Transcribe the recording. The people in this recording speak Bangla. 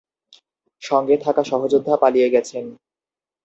সঙ্গে থাকা সহযোদ্ধা পালিয়ে গেছেন।